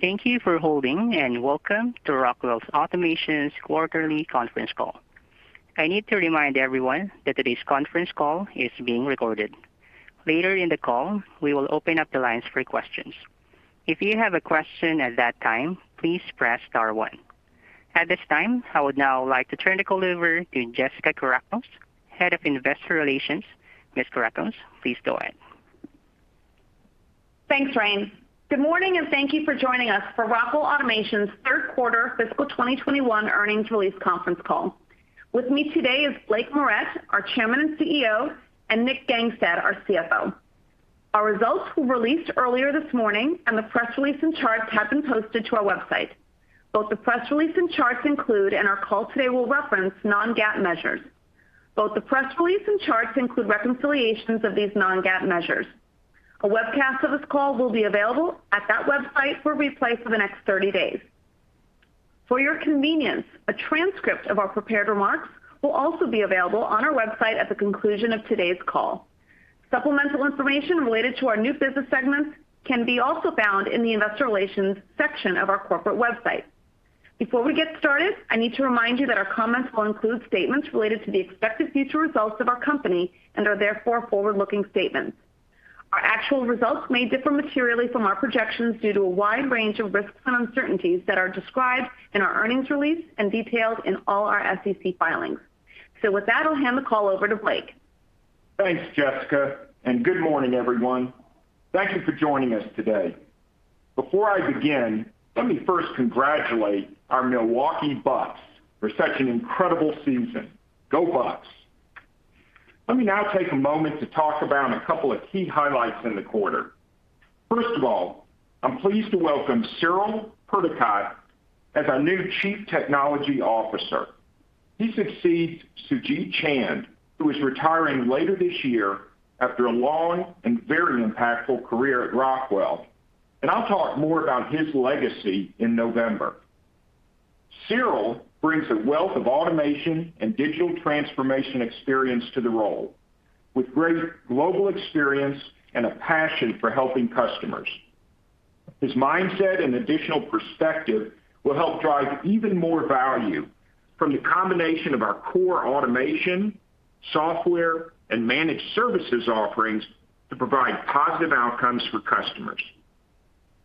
Thank you for holding welcome to Rockwell Automation's quarterly conference call. I need to remind everyone that today's conference call is being recorded. Later in the call, we will open up the lines for questions. If you have a question at that time, please press star one. At this time, I would now like to turn the call over to Jessica Kourakos, Head of Investor Relations. Ms. Kourakos, please go ahead. Thanks Rain. Good morning and thank you for joining us for Rockwell Automation's third quarter fiscal 2021 earnings release conference call. With me today is Blake Moret, our Chairman and CEO, and Nick Gangestad, our CFO. Our results were released earlier this morning and the press release and charts have been posted to our website. Both the press release and charts include, and our call today will reference, non-GAAP measures. Both the press release and charts include reconciliations of these non-GAAP measures. A webcast of this call will be available at that website for replay for the next 30 days. For your convenience, a transcript of our prepared remarks will also be available on our website at the conclusion of today's call. Supplemental information related to our new business segments can be also found in the Investor Relations section of our corporate website. Before we get started, I need to remind you that our comments will include statements related to the expected future results of our company and are therefore forward-looking statements. Our actual results may differ materially from our projections due to a wide range of risks and uncertainties that are described in our earnings release and detailed in all our SEC filings. With that, I'll hand the call over to Blake. Thanks Jessica and good morning everyone. Thank you for joining us today. Before I begin, let me first congratulate our Milwaukee Bucks for such an incredible season. Go, Bucks. Let me now take a moment to talk about a couple of key highlights in the quarter. First of all, I'm pleased to welcome Cyril Perducat as our new Chief Technology Officer. He succeeds Sujeet Chand, who is retiring later this year after a long and very impactful career at Rockwell, and I'll talk more about his legacy in November. Cyril brings a wealth of automation and digital transformation experience to the role, with great global experience and a passion for helping customers. His mindset and additional perspective will help drive even more value from the combination of our core automation, software, and managed services offerings to provide positive outcomes for customers.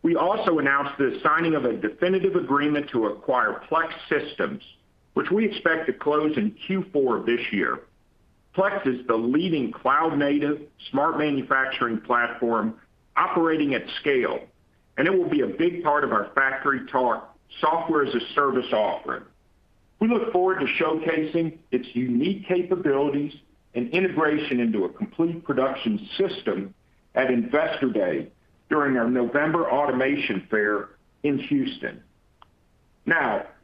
We also announced the signing of a definitive agreement to acquire Plex Systems, which we expect to close in Q4 this year. Plex is the leading cloud-native smart manufacturing platform operating at scale. It will be a big part of our FactoryTalk software as a service offering. We look forward to showcasing its unique capabilities and integration into a complete production system at Investor Day during our November Automation Fair in Houston.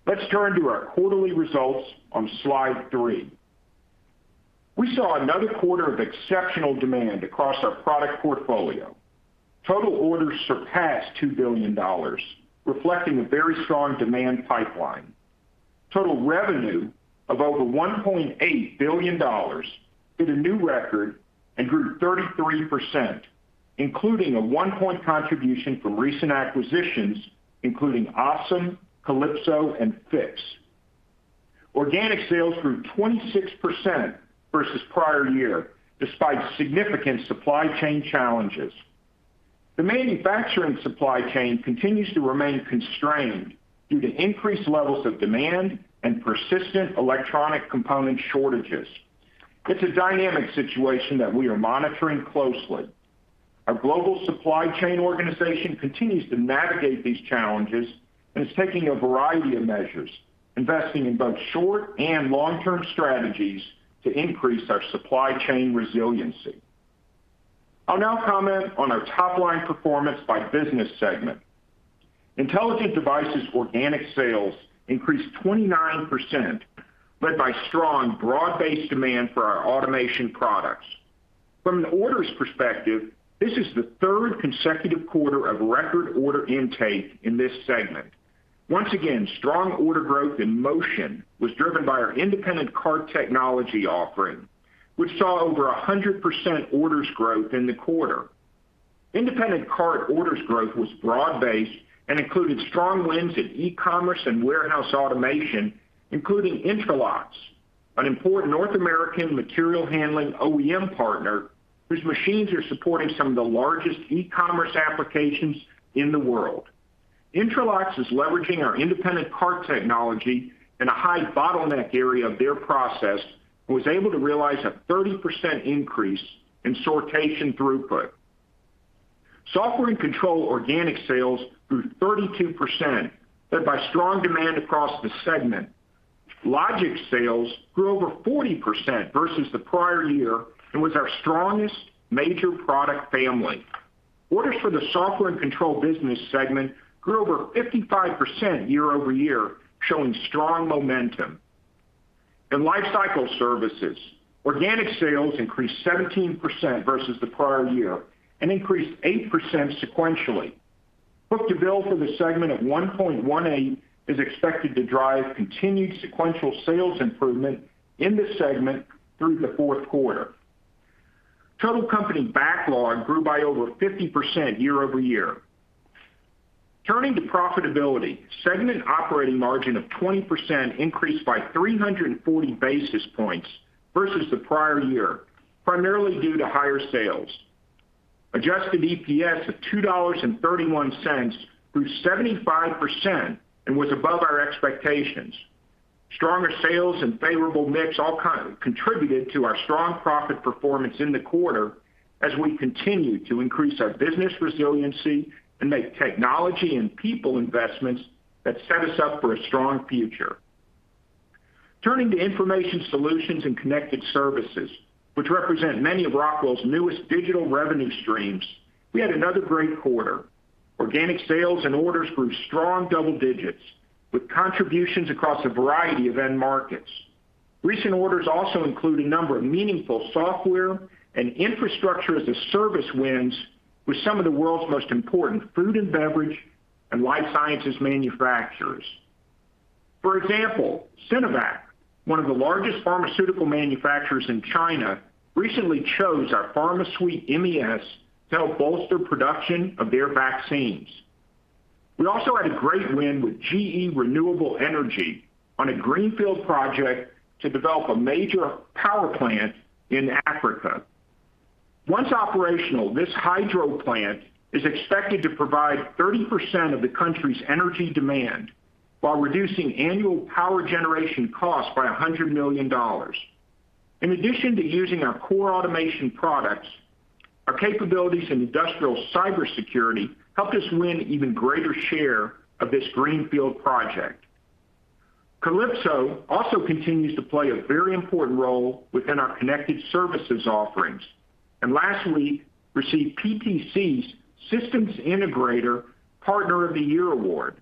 Let's turn to our quarterly results on slide three. We saw another quarter of exceptional demand across our product portfolio. Total orders surpassed $2 billion, reflecting a very strong demand pipeline. Total revenue of over $1.8 billion hit a new record and grew 33%, including a 1-point contribution from recent acquisitions, including ASEM, Kalypso, and Fiix. Organic sales grew 26% versus prior year, despite significant supply chain challenges. The manufacturing supply chain continues to remain constrained due to increased levels of demand and persistent electronic component shortages. It's a dynamic situation that we are monitoring closely. Our global supply chain organization continues to navigate these challenges and is taking a variety of measures, investing in both short and long-term strategies to increase our supply chain resiliency. I'll now comment on our top-line performance by business segment. Intelligent Devices organic sales increased 29%, led by strong broad-based demand for our automation products. From an orders perspective, this is the third consecutive quarter of record order intake in this segment. Once again, strong order growth in motion was driven by our independent cart technology offering, which saw over 100% orders growth in the quarter. Independent cart orders growth was broad based and included strong wins at e-commerce and warehouse automation, including Intralox, an important North American material handling OEM partner whose machines are supporting some of the largest e-commerce applications in the world. Intralox is leveraging our independent cart technology in a high bottleneck area of their process and was able to realize a 30% increase in sortation throughput. Software and control organic sales grew 32%, led by strong demand across the segment. Logix sales grew over 40% versus the prior year and was our strongest major product family. Orders for the software and control business segment grew over 55% year-over-year, showing strong momentum. In lifecycle services, organic sales increased 17% versus the prior year and increased 8% sequentially. Book-to-bill for the segment at 1.18 is expected to drive continued sequential sales improvement in this segment through the fourth quarter. Total company backlog grew by over 50% year-over-year. Turning to profitability, segment operating margin of 20% increased by 340 basis points versus the prior year, primarily due to higher sales. Adjusted EPS of $2.31 grew 75% and was above our expectations. Stronger sales and favorable mix all contributed to our strong profit performance in the quarter as we continue to increase our business resiliency and make technology and people investments that set us up for a strong future. Turning to information solutions and connected services, which represent many of Rockwell's newest digital revenue streams, we had another great quarter. Organic sales and orders grew strong double digits with contributions across a variety of end markets. Recent orders also include a number of meaningful software and infrastructure-as-a-service wins with some of the world's most important food and beverage and life sciences manufacturers. For example, Sinovac, one of the largest pharmaceutical manufacturers in China, recently chose our FactoryTalk PharmaSuite MES to help bolster production of their vaccines. We also had a great win with GE Renewable Energy on a greenfield project to develop a major power plant in Africa. Once operational, this hydro plant is expected to provide 30% of the country's energy demand while reducing annual power generation costs by $100 million. In addition to using our core automation products, our capabilities in industrial cybersecurity helped us win even greater share of this greenfield project. Kalypso also continues to play a very important role within our connected services offerings, and last week received PTC's Systems Integrator Partner of the Year Award.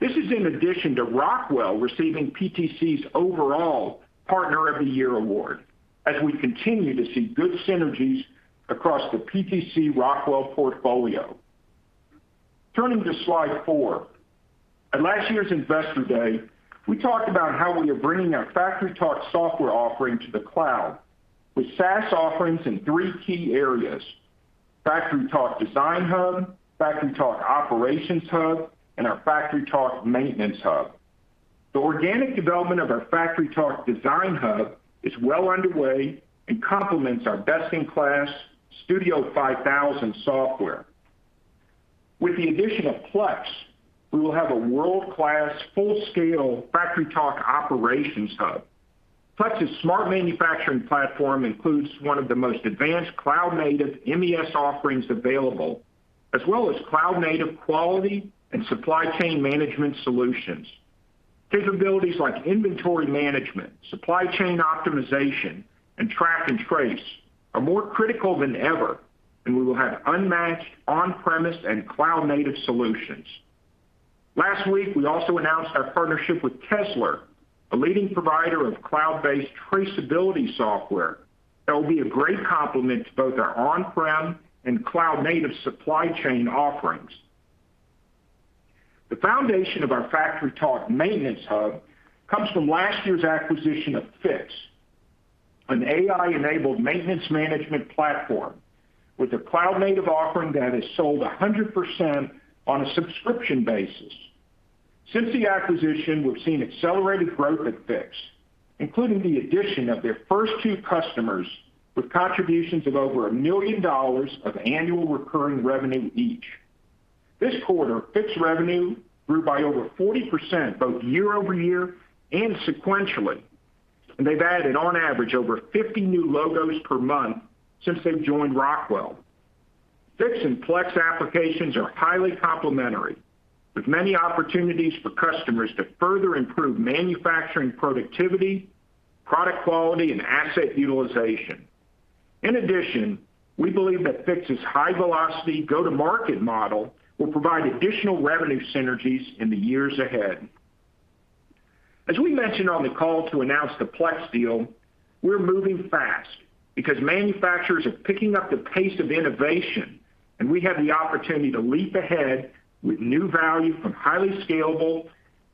This is in addition to Rockwell receiving PTC's overall Partner of the Year Award as we continue to see good synergies across the PTC Rockwell portfolio. Turning to slide four. At last year's Investor Day, we talked about how we are bringing our FactoryTalk software offering to the cloud with SaaS offerings in three key areas, FactoryTalk Design Hub, FactoryTalk Operations Hub, and our FactoryTalk Maintenance Hub. The organic development of our FactoryTalk Design Hub is well underway and complements our best-in-class Studio 5000 software. With the addition of Plex, we will have a world-class, full-scale FactoryTalk Operations Hub. Plex's smart manufacturing platform includes one of the most advanced cloud-native MES offerings available, as well as cloud-native quality and supply chain management solutions. Capabilities like inventory management, supply chain optimization, and track and trace are more critical than ever, and we will have unmatched on-premise and cloud-native solutions. Last week, we also announced our partnership with Kezzler, a leading provider of cloud-based traceability software that will be a great complement to both our on-prem and cloud-native supply chain offerings. The foundation of our FactoryTalk Maintenance Hub comes from last year's acquisition of Fiix, an AI-enabled maintenance management platform with a cloud-native offering that is sold 100% on a subscription basis. Since the acquisition, we've seen accelerated growth at Fiix, including the addition of their first two customers with contributions of over $1 million of annual recurring revenue each. This quarter, Fiix revenue grew by over 40% both year-over-year and sequentially, and they've added on average over 50 new logos per month since they've joined Rockwell. Fiix and Plex applications are highly complementary, with many opportunities for customers to further improve manufacturing productivity, product quality, and asset utilization. We believe that Fiix's high-velocity go-to-market model will provide additional revenue synergies in the years ahead. As we mentioned on the call to announce the Plex deal, we're moving fast because manufacturers are picking up the pace of innovation and we have the opportunity to leap ahead with new value from highly scalable,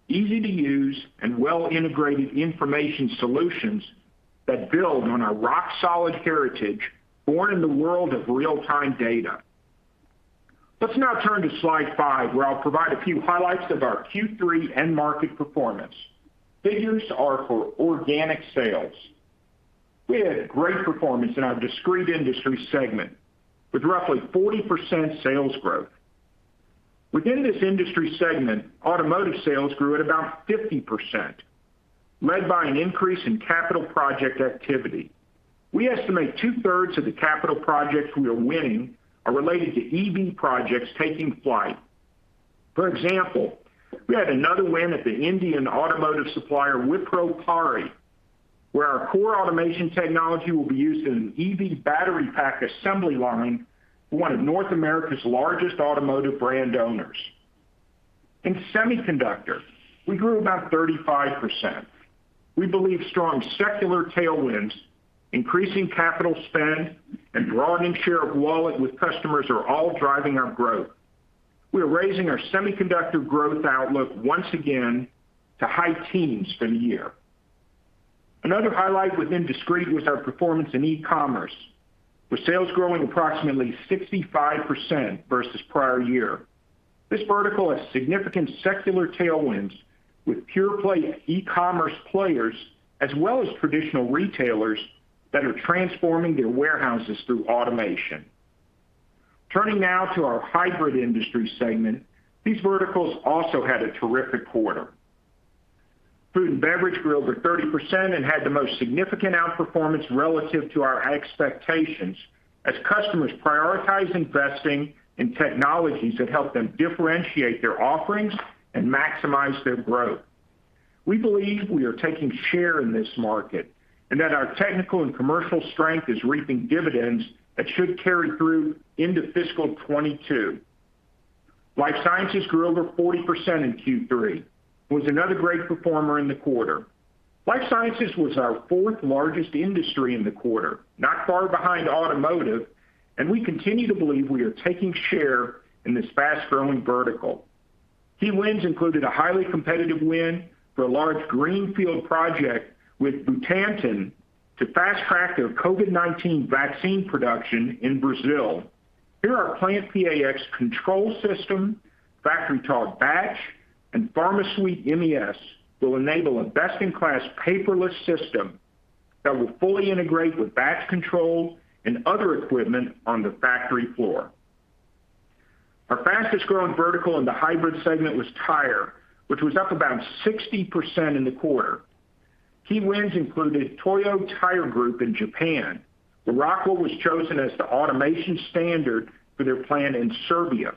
easy-to-use, and well-integrated information solutions that build on our rock-solid heritage born in the world of real-time data. Let's now turn to slide five, where I'll provide a few highlights of our Q3 end market performance. Figures are for organic sales. We had great performance in our discrete industry segment with roughly 40% sales growth. Within this industry segment, automotive sales grew at about 50%, led by an increase in capital project activity. We estimate two-thirds of the capital projects we are winning are related to EV projects taking flight. For example, we had another win at the Indian automotive supplier Wipro PARI, where our core automation technology will be used in an EV battery pack assembly line for one of North America's largest automotive brand owners. In semiconductor, we grew about 35%. We believe strong secular tailwinds, increasing capital spend, and broadening share of wallet with customers are all driving our growth. We are raising our semiconductor growth outlook once again to high teens for the year. Another highlight within discrete was our performance in e-commerce, with sales growing approximately 65% versus prior year. This vertical has significant secular tailwinds with pure-play e-commerce players, as well as traditional retailers that are transforming their warehouses through automation. Turning now to our hybrid industry segment. These verticals also had a terrific quarter. Food and beverage grew over 30% and had the most significant outperformance relative to our expectations, as customers prioritized investing in technologies that help them differentiate their offerings and maximize their growth. We believe we are taking share in this market, and that our technical and commercial strength is reaping dividends that should carry through into fiscal 2022. Life sciences grew over 40% in Q3, was another great performer in the quarter. Life sciences was our fourth largest industry in the quarter, not far behind automotive, and we continue to believe we are taking share in this fast-growing vertical. Key wins included a highly competitive win for a large greenfield project with Butantan to fast-track their COVID-19 vaccine production in Brazil. Here, our PlantPAx control system, FactoryTalk Batch, and PharmaSuite MES will enable a best-in-class paperless system that will fully integrate with batch control and other equipment on the factory floor. Our fastest growing vertical in the hybrid segment was tire, which was up about 60% in the quarter. Key wins included Toyo Tire Group in Japan, where Rockwell was chosen as the automation standard for their plant in Serbia.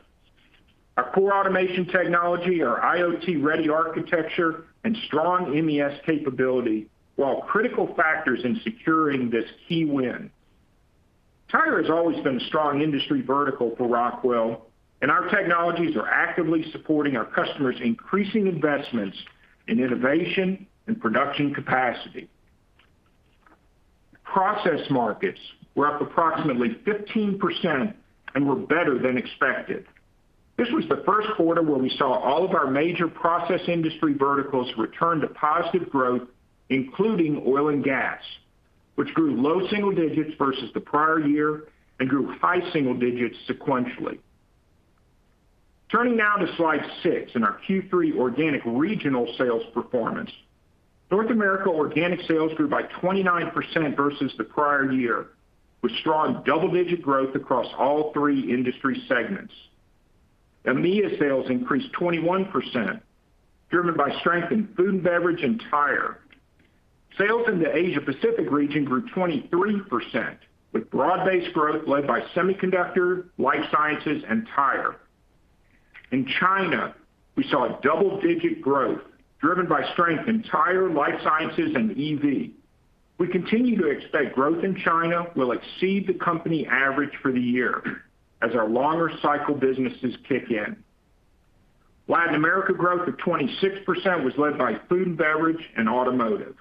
Our core automation technology, our IoT-ready architecture, and strong MES capability were all critical factors in securing this key win. Tire has always been a strong industry vertical for Rockwell, and our technologies are actively supporting our customers' increasing investments in innovation and production capacity. Process markets were up approximately 15% and were better than expected. This was the first quarter where we saw all of our major process industry verticals return to positive growth, including oil and gas, which grew low single digits versus the prior year and grew high single digits sequentially. Turning now to slide six and our Q3 organic regional sales performance. North America organic sales grew by 29% versus the prior year, with strong double-digit growth across all three industry segments. EMEA sales increased 21%, driven by strength in food and beverage and tire. Sales in the Asia Pacific region grew 23%, with broad-based growth led by semiconductor, life sciences, and tire. In China, we saw a double-digit growth driven by strength in tire, life sciences, and EV. We continue to expect growth in China will exceed the company average for the year as our longer cycle businesses kick in. Latin America growth of 26% was led by food and beverage and automotive.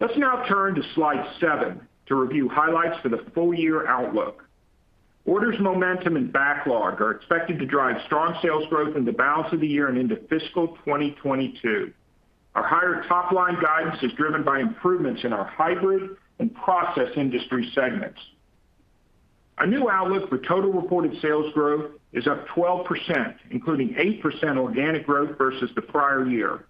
Let's now turn to slide 7 to review highlights for the full-year outlook. Orders momentum and backlog are expected to drive strong sales growth in the balance of the year and into fiscal 2022. Our higher top-line guidance is driven by improvements in our hybrid and process industry segments. Our new outlook for total reported sales growth is up 12%, including 8% organic growth versus the prior year.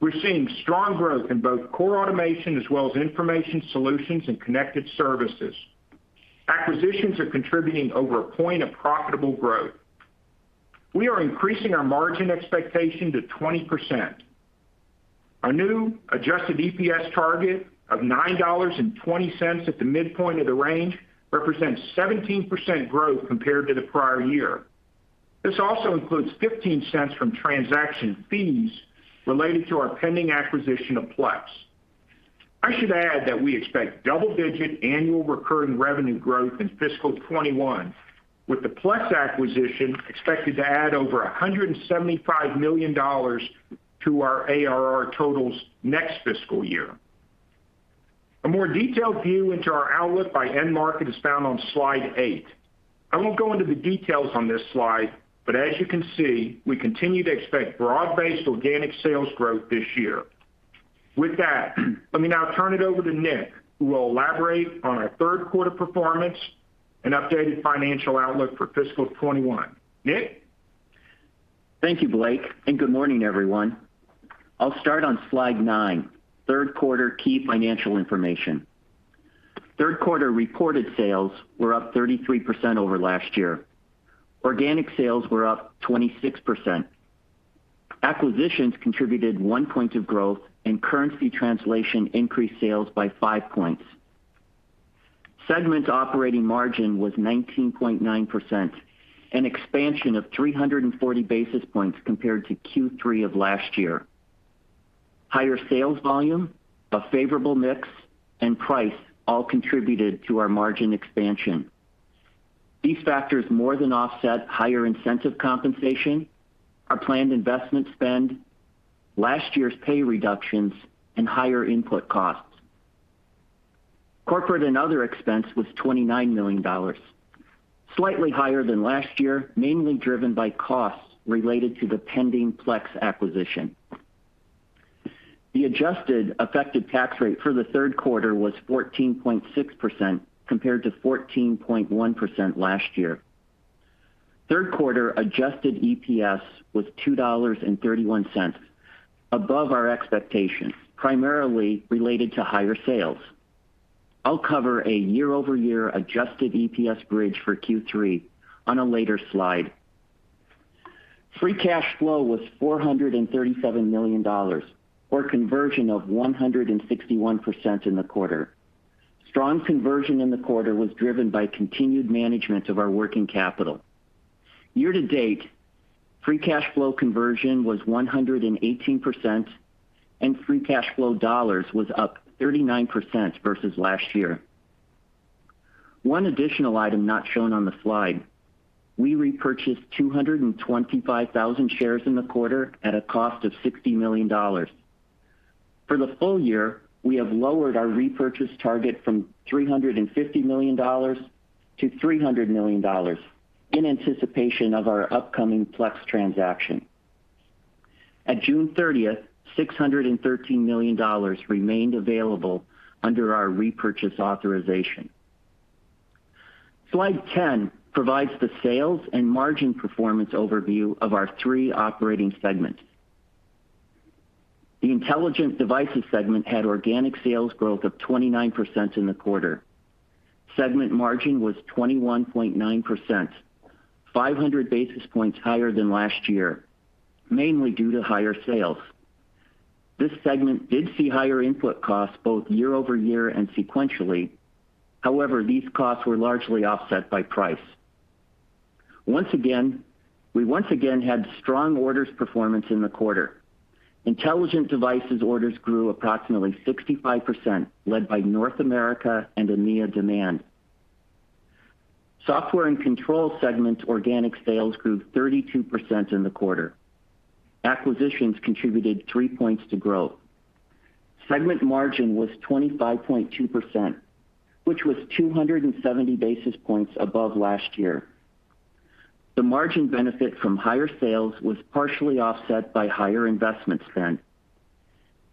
We're seeing strong growth in both core automation as well as information solutions and connected services. Acquisitions are contributing over 1 point of profitable growth. We are increasing our margin expectation to 20%. Our new adjusted EPS target of $9.20 at the midpoint of the range represents 17% growth compared to the prior year. This also includes $0.15 from transaction fees related to our pending acquisition of Plex. I should add that we expect double-digit annual recurring revenue growth in fiscal 2021, with the Plex acquisition expected to add over $175 million to our ARR totals next fiscal year. A more detailed view into our outlook by end market is found on slide eight. As you can see, we continue to expect broad-based organic sales growth this year. With that, let me now turn it over to Nick, who will elaborate on our third quarter performance and updated financial outlook for fiscal 2021. Nick? Thank you Blake and good morning everyone. I'll start on slide nine, third quarter key financial information. Third quarter reported sales were up 33% over last year. Organic sales were up 26%. Acquisitions contributed 1 point of growth, and currency translation increased sales by 5 points. Segments operating margin was 19.9%, an expansion of 340 basis points compared to Q3 of last year. Higher sales volume, a favorable mix, and price all contributed to our margin expansion. These factors more than offset higher incentive compensation, our planned investment spend, last year's pay reductions, and higher input costs. Corporate and other expense was $29 million. Slightly higher than last year, mainly driven by costs related to the pending Plex acquisition. The adjusted effective tax rate for the third quarter was 14.6%, compared to 14.1% last year. Third quarter adjusted EPS was $2.31, above our expectations, primarily related to higher sales. I'll cover a year-over-year adjusted EPS bridge for Q3 on a later slide. Free cash flow was $437 million, or conversion of 161% in the quarter. Strong conversion in the quarter was driven by continued management of our working capital. Year to date, free cash flow conversion was 118%, and free cash flow dollars was up 39% versus last year. One additional item not shown on the slide, we repurchased 225,000 shares in the quarter at a cost of $60 million. For the full year, we have lowered our repurchase target from $350 million-$300 million in anticipation of our upcoming Plex transaction. At June 30th, $613 million remained available under our repurchase authorization. Slide 10 provides the sales and margin performance overview of our three operating segments. The intelligent devices segment had organic sales growth of 29% in the quarter. Segment margin was 21.9%, 500 basis points higher than last year, mainly due to higher sales. This segment did see higher input costs both year-over-year and sequentially. However, these costs were largely offset by price. We once again had strong orders performance in the quarter. Intelligent Devices orders grew approximately 65%, led by North America and EMEA demand. Software and Control segments organic sales grew 32% in the quarter. Acquisitions contributed 3 points to growth. Segment margin was 25.2%, which was 270 basis points above last year. The margin benefit from higher sales was partially offset by higher investment spend.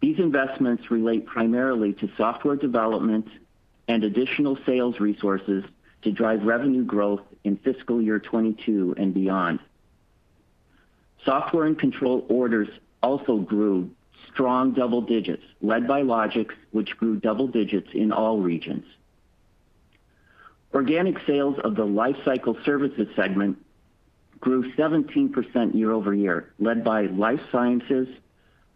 These investments relate primarily to software development and additional sales resources to drive revenue growth in fiscal year 2022 and beyond. Software and Control orders also grew strong double digits, led by Logix, which grew double digits in all regions. Organic sales of the lifecycle services segment grew 17% year-over-year, led by life sciences,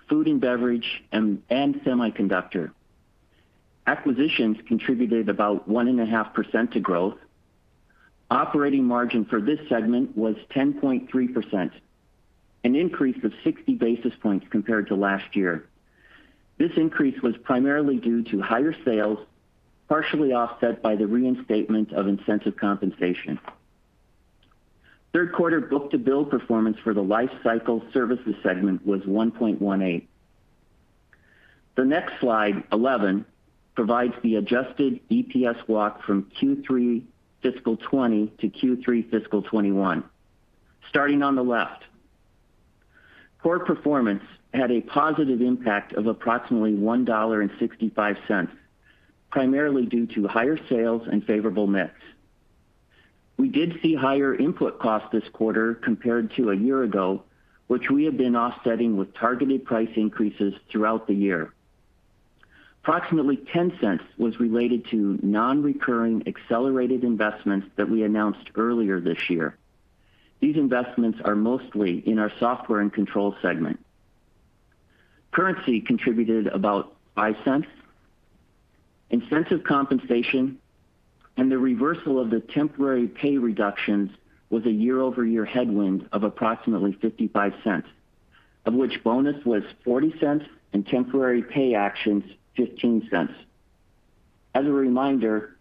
food and beverage, and semiconductor. Acquisitions contributed about 1.5% to growth. Operating margin for this segment was 10.3%, an increase of 60 basis points compared to last year. This increase was primarily due to higher sales, partially offset by the reinstatement of incentive compensation. Third quarter book to bill performance for the lifecycle services segment was 1.18. The next slide, 11, provides the adjusted EPS walk from Q3 fiscal 2020 to Q3 fiscal 2021. Starting on the left. Core performance had a positive impact of approximately $1.65, primarily due to higher sales and favorable mix. We did see higher input costs this quarter compared to a year ago, which we have been offsetting with targeted price increases throughout the year. Approximately $0.10 was related to non-recurring accelerated investments that we announced earlier this year. These investments are mostly in our software and control segment. Currency contributed about $0.05. Incentive compensation and the reversal of the temporary pay reductions was a year-over-year headwind of approximately $0.55, of which bonus was $0.40 and temporary pay actions $0.15. As a reminder,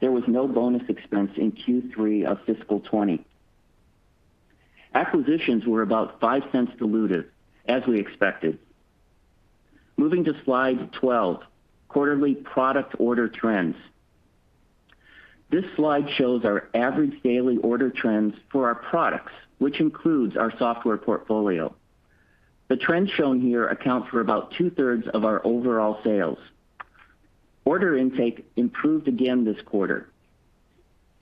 there was no bonus expense in Q3 of fiscal 2020. Acquisitions were about $0.05 diluted, as we expected. Moving to slide 12, quarterly product order trends. This slide shows our average daily order trends for our products, which includes our software portfolio. The trends shown here account for about 2/3 of our overall sales. Order intake improved again this quarter.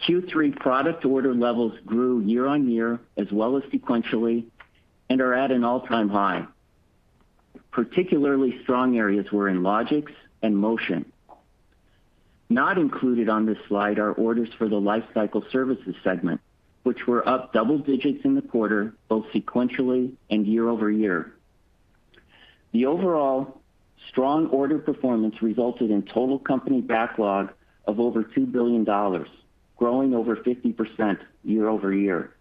Q3 product order levels grew year-on-year, as well as sequentially, and are at an all-time high. Particularly strong areas were in Logix and Motion. Not included on this slide are orders for the lifecycle services segment, which were up double digits in the quarter, both sequentially and year-over-year. The overall strong order performance resulted in total company backlog of over $2 billion, growing over 50% year-over-year.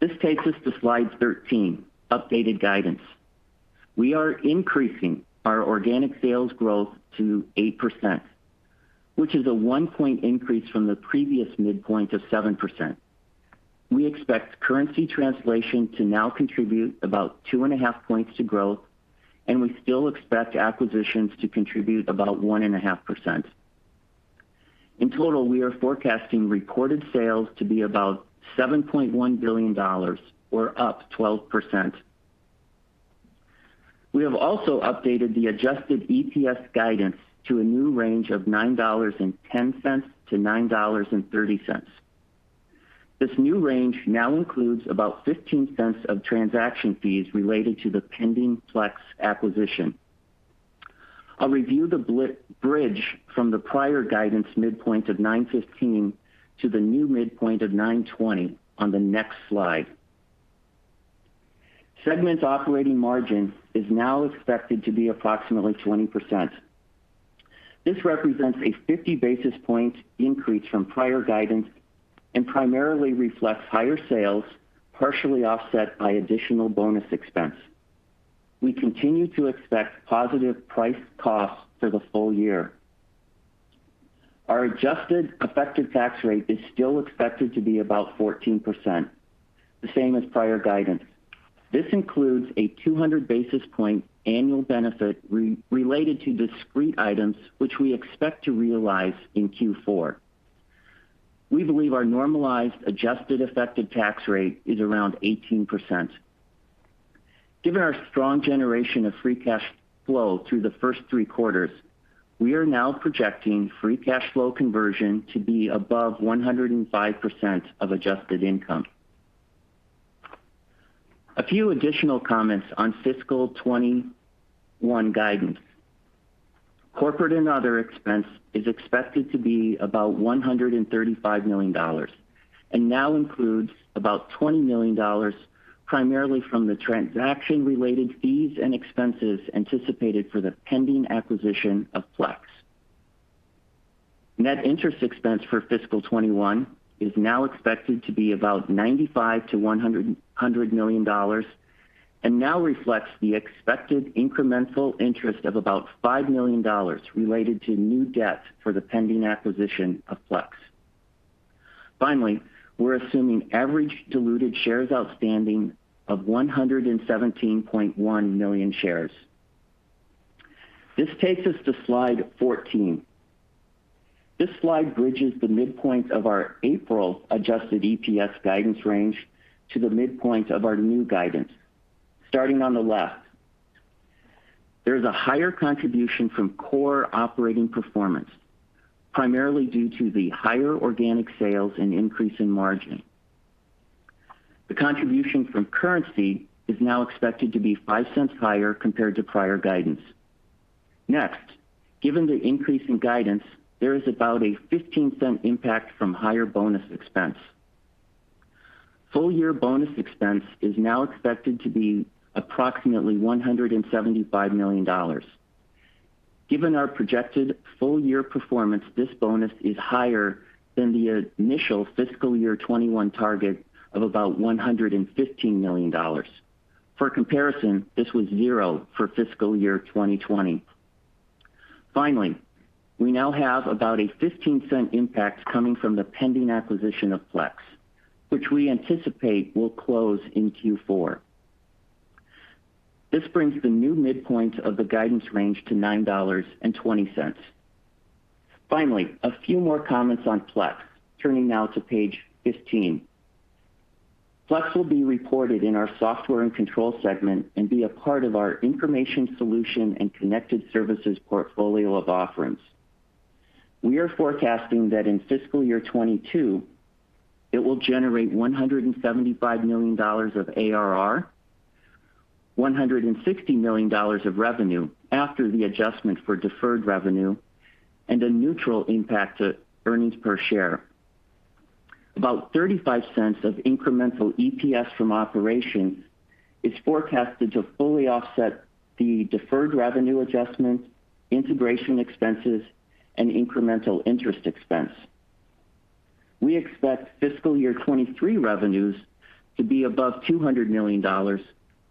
This takes us to slide 13, updated guidance. We are increasing our organic sales growth to 8%, which is a one point increase from the previous midpoint of 7%. We expect currency translation to now contribute about two and a half points to growth, we still expect acquisitions to contribute about 1.5%. In total, we are forecasting reported sales to be about $7.1 billion, or up 12%. We have also updated the adjusted EPS guidance to a new range of $9.10-$9.30. This new range now includes about $0.15 of transaction fees related to the pending Plex acquisition. I'll review the bridge from the prior guidance midpoint of $9.15 to the new midpoint of $9.20 on the next slide. Segment operating margin is now expected to be approximately 20%. This represents a 50 basis point increase from prior guidance and primarily reflects higher sales, partially offset by additional bonus expense. We continue to expect positive price cost for the full year. Our adjusted effective tax rate is still expected to be about 14%, the same as prior guidance. This includes a 200 basis point annual benefit related to discrete items, which we expect to realize in Q4. We believe our normalized adjusted effective tax rate is around 18%. Given our strong generation of free cash flow through the first three quarters, we are now projecting free cash flow conversion to be above 105% of adjusted income. A few additional comments on fiscal 2021 guidance. Corporate and other expense is expected to be about $135 million and now includes about $20 million, primarily from the transaction-related fees and expenses anticipated for the pending acquisition of Plex. Net interest expense for fiscal 2021 is now expected to be about $95 million-$100 million, and now reflects the expected incremental interest of about $5 million related to new debt for the pending acquisition of Plex. Finally, we're assuming average diluted shares outstanding of 117.1 million shares. This takes us to slide 14. This slide bridges the midpoint of our April adjusted EPS guidance range to the midpoint of our new guidance. Starting on the left, there is a higher contribution from core operating performance, primarily due to the higher organic sales and increase in margin. The contribution from currency is now expected to be $0.05 higher compared to prior guidance. Next, given the increase in guidance, there is about a $0.15 impact from higher bonus expense. Full year bonus expense is now expected to be approximately $175 million. Given our projected full year performance, this bonus is higher than the initial fiscal year 2021 target of about $115 million. For comparison, this was zero for fiscal year 2020. Finally, we now have about a $0.15 impact coming from the pending acquisition of Plex, which we anticipate will close in Q4. This brings the new midpoint of the guidance range to $9.20. A few more comments on Plex. Turning now to page 15. Plex will be reported in our Software and Control Segment and be a part of our Information Solution and Connected Services portfolio of offerings. We are forecasting that in fiscal year 2022, it will generate $175 million of ARR, $160 million of revenue after the adjustment for deferred revenue, and a neutral impact to EPS. About $0.35 of incremental EPS from operations is forecasted to fully offset the deferred revenue adjustment, integration expenses, and incremental interest expense. We expect fiscal year 2023 revenues to be above $200 million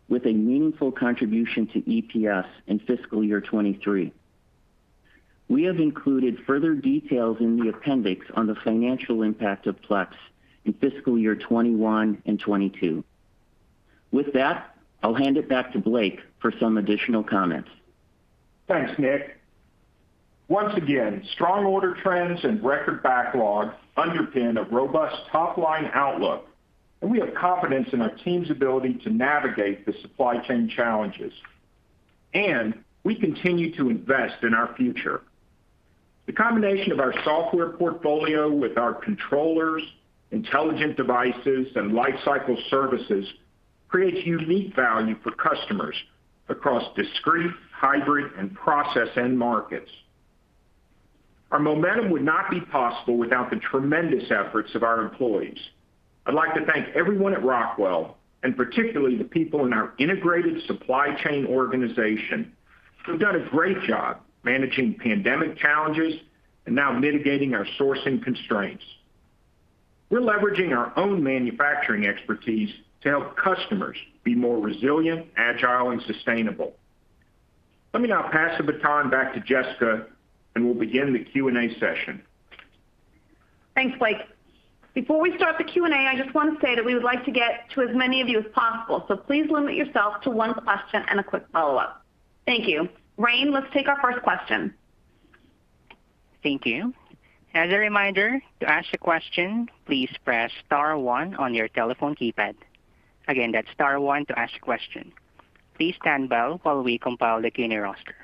with a meaningful contribution to EPS in fiscal year 2023. We have included further details in the appendix on the financial impact of Plex in fiscal year 2021 and 2022. With that, I will hand it back to Blake for some additional comments. Thanks Nick. Once again, strong order trends and record backlog underpin a robust top-line outlook. We have confidence in our team's ability to navigate the supply chain challenges. We continue to invest in our future. The combination of our software portfolio with our controllers, intelligent devices, and lifecycle services creates unique value for customers across discrete, hybrid, and process end markets. Our momentum would not be possible without the tremendous efforts of our employees. I'd like to thank everyone at Rockwell, and particularly the people in our integrated supply chain organization, who have done a great job managing pandemic challenges and now mitigating our sourcing constraints. We're leveraging our own manufacturing expertise to help customers be more resilient, agile, and sustainable. Let me now pass the baton back to Jessica. We'll begin the Q&A session. Thanks Blake. Before we start the Q&A, I just want to say that we would like to get to as many of you as possible, so please limit yourself to one question and a quick follow-up. Thank you. Rain let's take our first question. Thank you. As a reminder, to ask a question please press star one on your telephone keypad. Again, that's star one to ask a question. Please stand by while we compile the Q&A roster.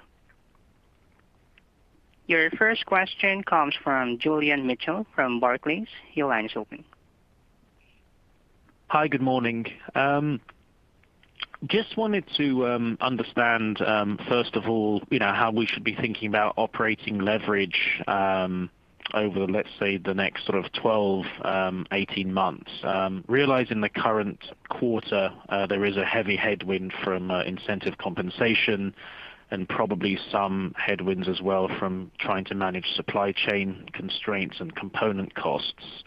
Your first question comes from Julian Mitchell from Barclays. Your line is open. Hi good morning. Just wanted to understand, first of all, how we should be thinking about operating leverage over, let's say, the next sort of 12, 18 months. Realizing the current quarter, there is a heavy headwind from incentive compensation and probably some headwinds as well from trying to manage supply chain constraints and component costs.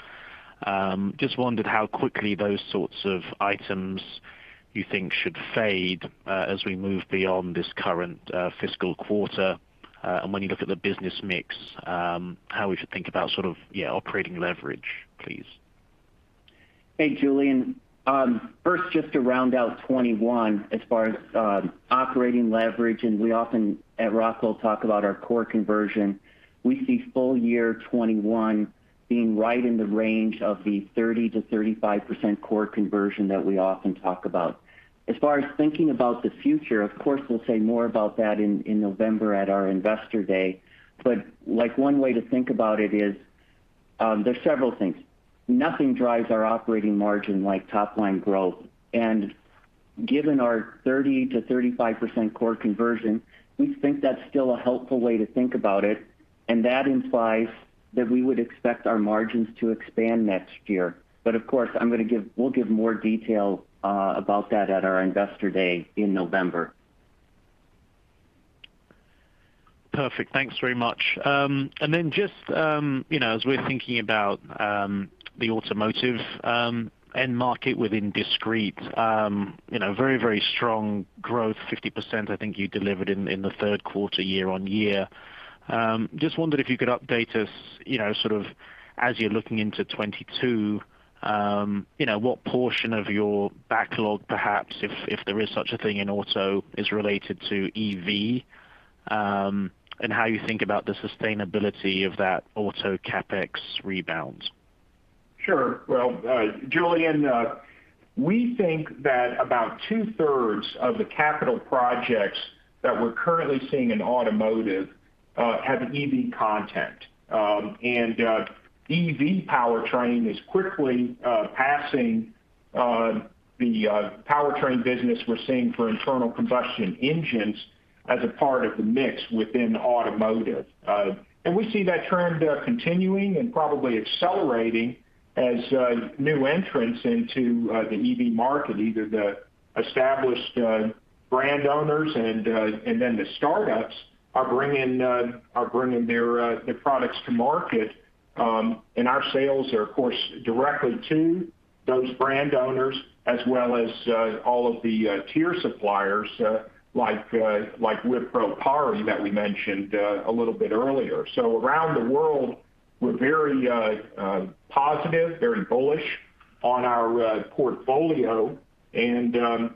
Just wondered how quickly those sorts of items you think should fade as we move beyond this current fiscal quarter, and when you look at the business mix, how we should think about operating leverage, please. Hey Julian. First, just to round out 2021 as far as operating leverage. We often at Rockwell Automation talk about our core conversion. We see full year 2021 being right in the range of the 30%-35% core conversion that we often talk about. As far as thinking about the future, of course, we'll say more about that in November at our Investor Day. One way to think about it is, there's several things. Nothing drives our operating margin like top-line growth. Given our 30%-35% core conversion, we think that's still a helpful way to think about it, and that implies that we would expect our margins to expand next year. Of course, we'll give more detail about that at our Investor Day in November. Perfect. Thanks very much. Then just as we're thinking about the automotive end market within discrete. Very strong growth, 50% I think you delivered in Q3 year-on-year. Just wondered if you could update us, sort of as you're looking into 2022, what portion of your backlog, perhaps, if there is such a thing in auto, is related to EV, and how you think about the sustainability of that auto CapEx rebound. Sure. Julian we think that about two-thirds of the capital projects that we're currently seeing in automotive have an EV content. EV powertrain is quickly passing the powertrain business we're seeing for internal combustion engines as a part of the mix within automotive. We see that trend continuing and probably accelerating as new entrants into the EV market, either the established brand owners and then the startups are bringing their products to market, and our sales are, of course, directly to those brand owners, as well as all of the tier suppliers, like Wipro PARI that we mentioned a little bit earlier. Around the world, we're very positive, very bullish on our portfolio. Quite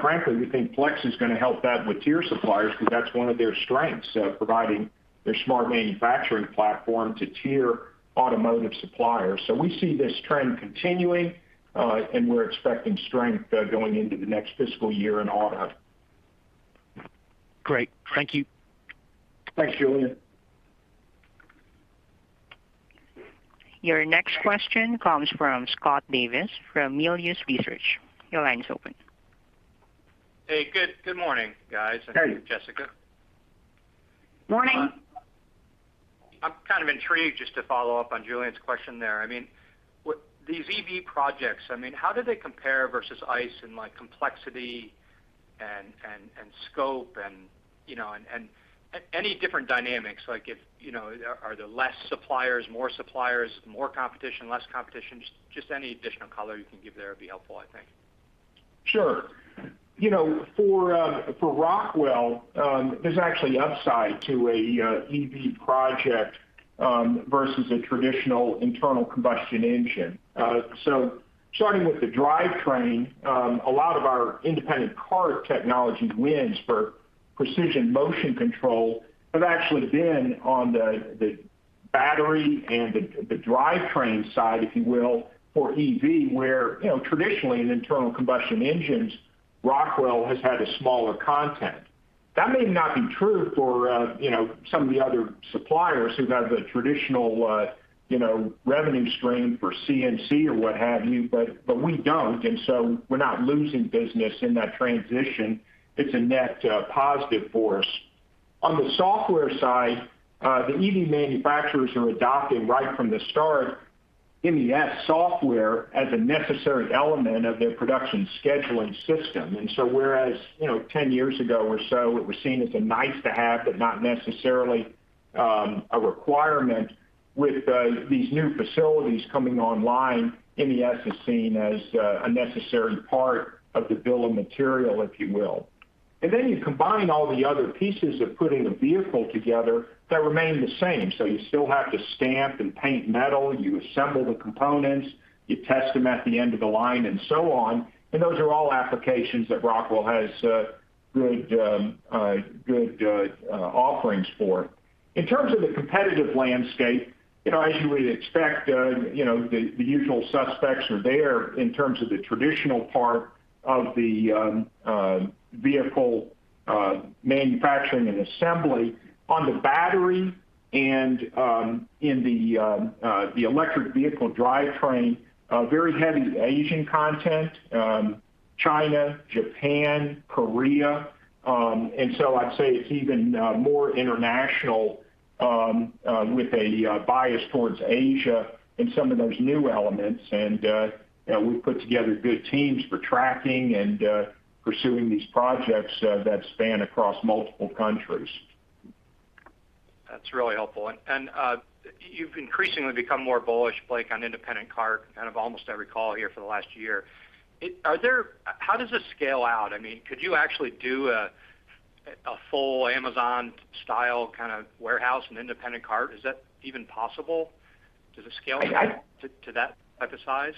frankly, we think Plex is going to help that with tier suppliers because that's one of their strengths, providing their smart manufacturing platform to tier automotive suppliers. We see this trend continuing, and we're expecting strength going into the next fiscal year in auto. Great. Thank you. Thanks Julian. Your next question comes from Scott Davis from Melius Research. Your line is open. Hey good morning guys. Hey. Jessica. Morning. I'm kind of intrigued, just to follow up on Julian's question there. These EV projects, how do they compare versus ICE in complexity and scope and any different dynamics? Are there less suppliers, more suppliers, more competition, less competition? Any additional color you can give there would be helpful, I think. Sure. For Rockwell, there's actually upside to an EV project versus a traditional internal combustion engine. Starting with the drivetrain, a lot of our independent cart technology wins for precision motion control have actually been on the battery and the drivetrain side, if you will, for EV, where traditionally in internal combustion engines, Rockwell has had a smaller content. That may not be true for some of the other suppliers who have a traditional revenue stream for CNC or what have you, but we don't, and so we're not losing business in that transition. It's a net positive for us. On the software side, the EV manufacturers are adopting right from the start MES software as a necessary element of their production scheduling system. Whereas 10 years ago or so, it was seen as a nice-to-have, but not necessarily a requirement with these new facilities coming online, MES is seen as a necessary part of the bill of material, if you will. Then you combine all the other pieces of putting a vehicle together that remain the same. You still have to stamp and paint metal, you assemble the components, you test them at the end of the line and so on, and those are all applications that Rockwell has good offerings for. In terms of the competitive landscape, as you would expect, the usual suspects are there in terms of the traditional part of the vehicle manufacturing and assembly. On the battery and in the electric vehicle drivetrain, very heavy Asian content, China, Japan, Korea. I'd say it's even more international with a bias towards Asia in some of those new elements. We've put together good teams for tracking and pursuing these projects that span across multiple countries. That's really helpful. You've increasingly become more bullish, Blake, on independent cart, kind of almost every call here for the last year. How does this scale out? Could you actually do a full Amazon-style kind of warehouse and independent cart? Is that even possible? Does it scale to that type of size?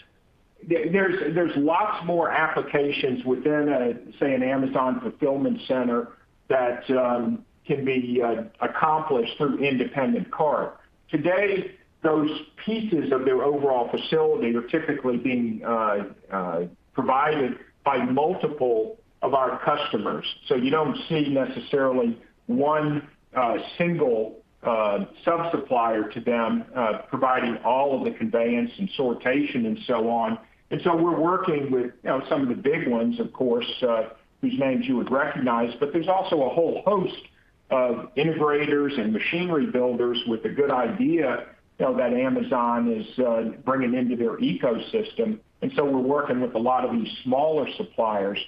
There's lots more applications within, say, an Amazon fulfillment center that can be accomplished through independent cart. Today, those pieces of their overall facility are typically being provided by multiple of our customers. You don't see necessarily one single sub-supplier to them providing all of the conveyance and sortation and so on. We're working with some of the big ones, of course, whose names you would recognize, but there's also a whole host of integrators and machinery builders with a good idea that Amazon is bringing into their ecosystem. We're working with a lot of these smaller suppliers.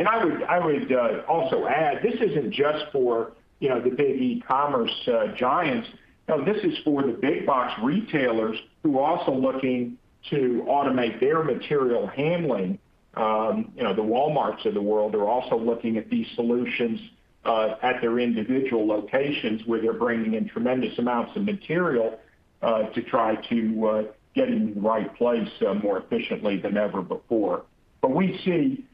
I would also add, this isn't just for the big e-commerce giants. No, this is for the big box retailers who are also looking to automate their material handling. The Walmarts of the world are also looking at these solutions at their individual locations, where they're bringing in tremendous amounts of material to try to get into the right place more efficiently than ever before. We see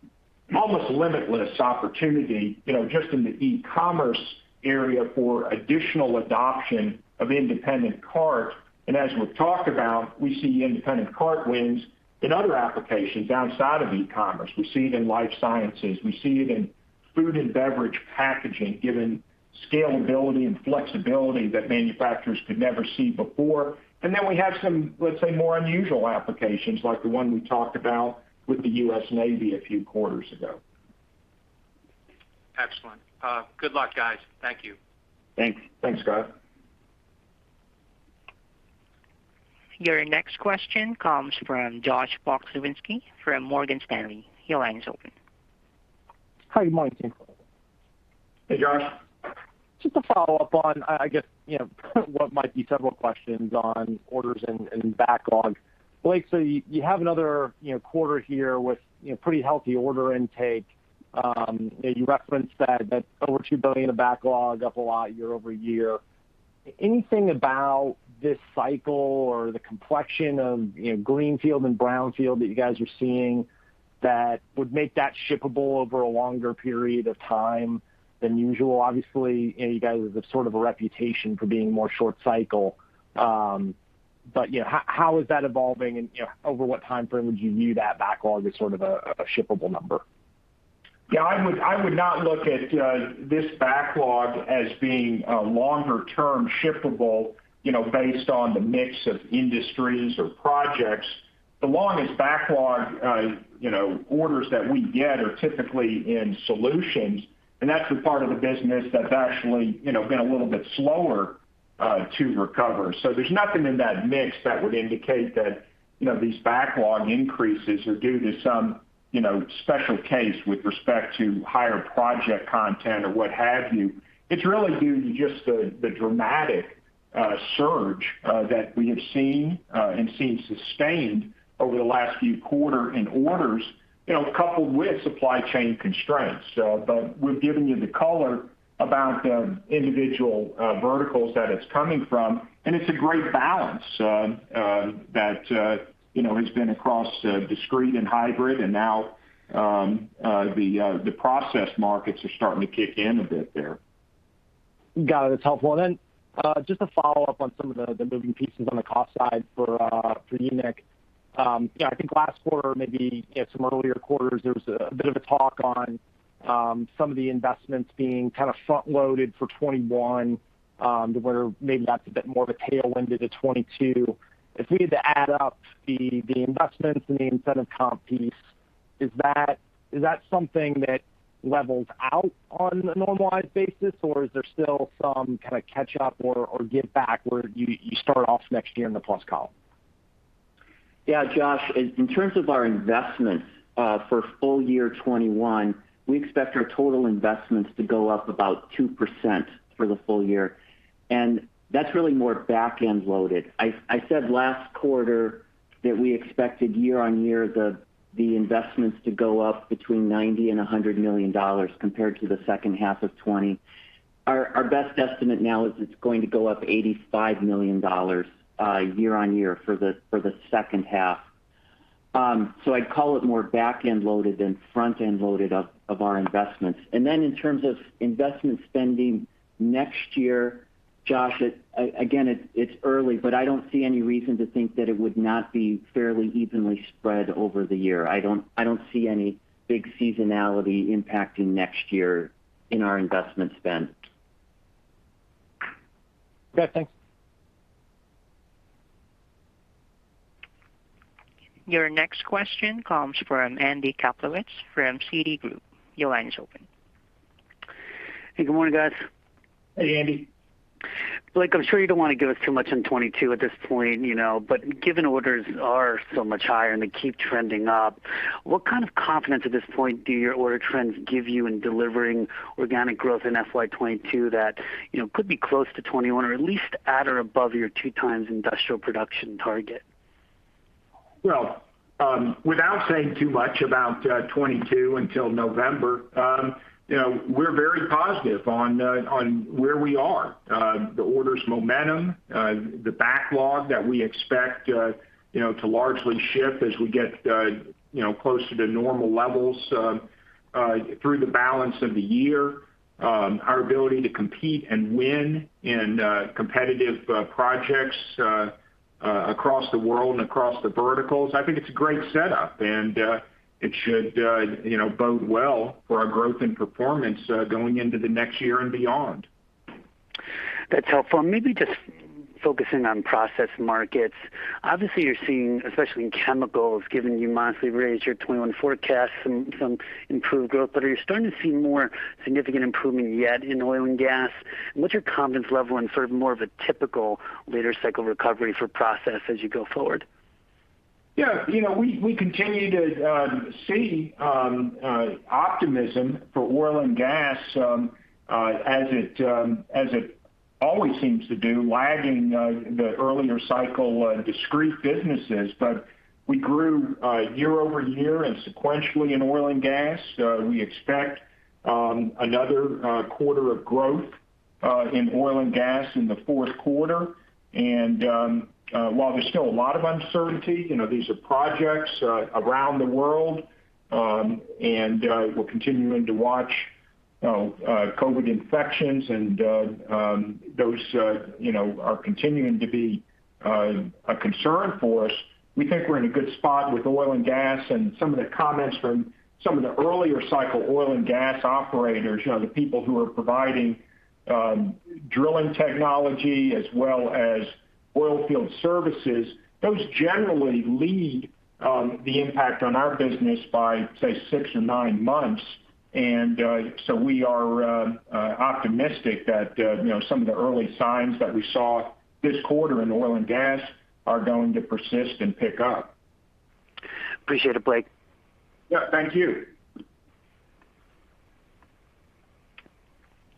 almost limitless opportunity just in the e-commerce area for additional adoption of independent cart. As we've talked about, we see independent cart wins in other applications outside of e-commerce. We see it in life sciences. We see it in food and beverage packaging, given scalability and flexibility that manufacturers could never see before. Then we have some, let's say, more unusual applications, like the one we talked about with the U.S. Navy a few quarters ago. Excellent. Good luck guys. Thank you. Thanks. Thanks Scott. Your next question comes from Josh Pokrzywinski from Morgan Stanley. Your line is open. Hi good morning team. Hey Josh. Just a follow-up on, I guess, what might be several questions on orders and backlog. Blake, you have another quarter here with pretty healthy order intake. You referenced that over $2 billion of backlog, up a lot year-over-year. Anything about this cycle or the complexion of greenfield and brownfield that you guys are seeing that would make that shippable over a longer period of time than usual? Obviously, you guys have sort of a reputation for being more short-cycle. How is that evolving and over what timeframe would you view that backlog as sort of a shippable number? Yeah, I would not look at this backlog as being longer-term shippable based on the mix of industries or projects. The longest backlog orders that we get are typically in solutions, and that's the part of the business that's actually been a little bit slower to recover. There's nothing in that mix that would indicate that these backlog increases are due to some special case with respect to higher project content or what have you. It's really due to just the dramatic surge that we have seen, and seen sustained over the last few quarters in orders, coupled with supply chain constraints. We've given you the color about the individual verticals that it's coming from, and it's a great balance that has been across discrete and hybrid, and now the process markets are starting to kick in a bit there. Got it. That's helpful. Then just to follow up on some of the moving pieces on the cost side for ENIC. Yeah, I think last quarter, maybe some earlier quarters, there was a bit of a talk on some of the investments being kind of front-loaded for 2021, where maybe that's a bit more of a tailwind into 2022. If we had to add up the investments and the incentive comp piece, is that something that levels out on a normalized basis, or is there still some kind of catch up or give back where you start off next year in the plus column? Josh, in terms of our investments for full year 2021, we expect our total investments to go up about 2% for the full year, and that's really more back-end loaded. I said last quarter that we expected year-on-year the investments to go up between $90 and $100 million compared to the second half of 2020. Our best estimate now is it's going to go up $85 million year-on-year for the second half. I'd call it more back-end loaded than front-end loaded of our investments. In terms of investment spending next year, Josh, again, it's early, but I don't see any reason to think that it would not be fairly evenly spread over the year. I don't see any big seasonality impacting next year in our investment spend. Okay thanks. Your next question comes from Andy Kaplowitz from Citi Group. Your line is open. Hey good morning guys. Hey Andy. Blake, I am sure you do not want to give us too much on 2022 at this point, but given orders are so much higher and they keep trending up, what kind of confidence at this point do your order trends give you in delivering organic growth in FY 2022 that could be close to 2021 or at least at or above your 2x industrial production target? Without saying too much about 2022 until November, we're very positive on where we are. The orders momentum, the backlog that we expect to largely ship as we get closer to normal levels through the balance of the year, our ability to compete and win in competitive projects across the world and across the verticals. I think it's a great setup and it should bode well for our growth and performance going into the next year and beyond. That's helpful. Maybe just focusing on process markets. Obviously you're seeing, especially in chemicals, given you monthly raise your 2021 forecast, some improved growth. Are you starting to see more significant improvement yet in oil and gas? What's your confidence level in sort of more of a typical later cycle recovery for process as you go forward? Yeah. We continue to see optimism for oil and gas as it always seems to do, lagging the earlier cycle discrete businesses. We grew year-over-year and sequentially in oil and gas. We expect another quarter of growth in oil and gas in the fourth quarter. While there's still a lot of uncertainty, these are projects around the world, and we're continuing to watch COVID-19 infections and those are continuing to be a concern for us. We think we're in a good spot with oil and gas and some of the comments from some of the earlier cycle oil and gas operators, the people who are providing drilling technology as well as oil field services, those generally lead the impact on our business by, say, 6 or 9 months. We are optimistic that some of the early signs that we saw this quarter in oil and gas are going to persist and pick up. Appreciate it Blake. Yeah. Thank you.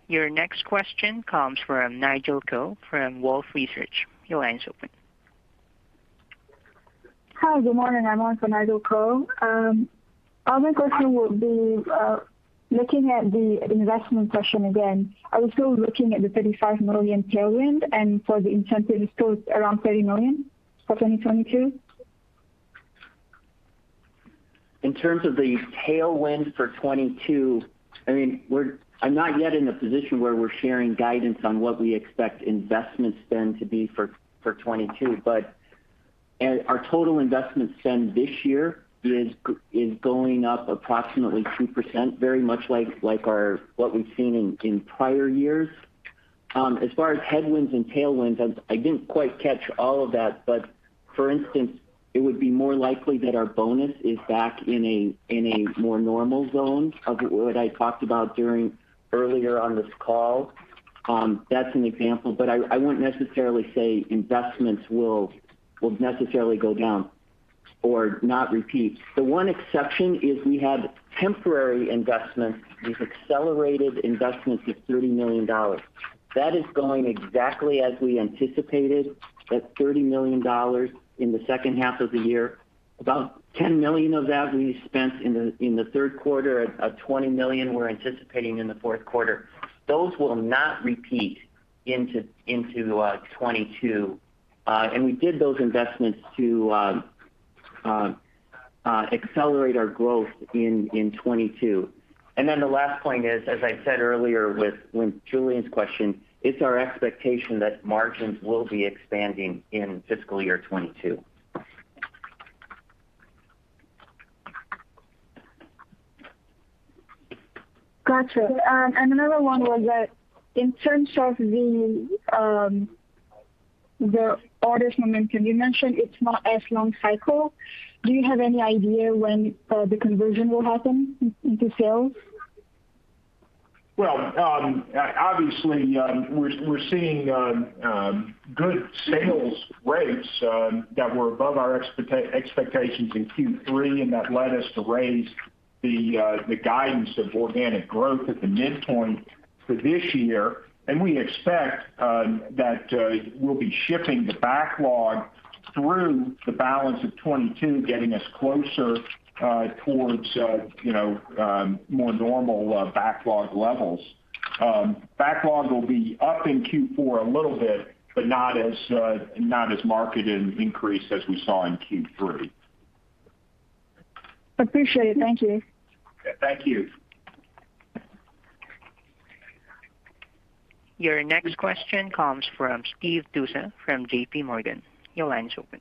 Your next question comes from Nigel Coe from Wolfe Research. Your line is open. Hi good morning. I'm on for Nigel Coe. My question would be, looking at the investment question again, are we still looking at the $35 million tailwind and for the incentive still around $30 million for 2022? In terms of the tailwind for 2022, I'm not yet in the position where we're sharing guidance on what we expect investment spend to be for 2022. Our total investment spend this year is going up approximately 2%, very much like what we've seen in prior years. As far as headwinds and tailwinds, I didn't quite catch all of that. For instance, it would be more likely that our bonus is back in a more normal zone of what I talked about during earlier on this call. That's an example. I wouldn't necessarily say investments will necessarily go down or not repeat. The one exception is we had temporary investments with accelerated investments of $30 million. That is going exactly as we anticipated. That $30 million in the second half of the year, about $10 million of that we spent in the third quarter of $20 million we're anticipating in the fourth quarter. Those will not repeat into 2022. We did those investments to accelerate our growth in 2022. The last point is, as I said earlier with Julian's question, it's our expectation that margins will be expanding in fiscal year 2022. Got you. Another one was that in terms of the orders momentum, you mentioned it's not as long cycle. Do you have any idea when the conversion will happen into sales? Well, obviously, we're seeing good sales rates that were above our expectations in Q3. That led us to raise the guidance of organic growth at the midpoint for this year. We expect that we'll be shifting the backlog through the balance of 2022, getting us closer towards more normal backlog levels. Backlog will be up in Q4 a little bit, not as marked an increase as we saw in Q3. Appreciate it. Thank you. Thank you. Your next question comes from Steve Tusa from JPMorgan. Your line's open.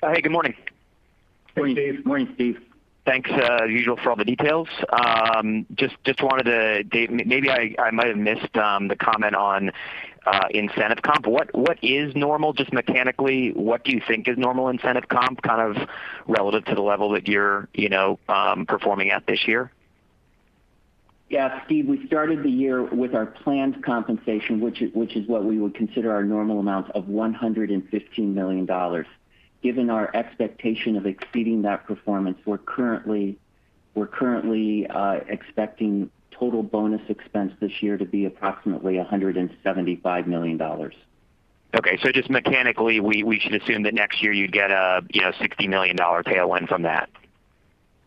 Hey good morning. Morning Steve. Morning Steve. Thanks as usual for all the details. Nick, maybe I might have missed the comment on incentive comp. What is normal, just mechanically, what do you think is normal incentive comp, kind of relative to the level that you're performing at this year? Steve, we started the year with our planned compensation, which is what we would consider our normal amounts of $115 million. Given our expectation of exceeding that performance, we're currently expecting total bonus expense this year to be approximately $175 million. Okay, just mechanically we should assume that next year you'd get a $60 million pay-out line from that?